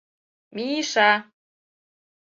— Ми-ша!